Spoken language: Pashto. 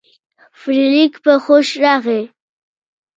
فلیریک په هوښ راغی.